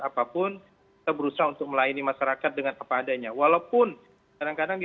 apapun kita berusaha untuk melayani masyarakat dengan apa adanya walaupun kadang kadang